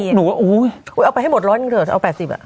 ๘๐๒๐หนูว่าโอ้ยเอาไปให้หมดร้อนเถอะเอา๘๐อ่ะ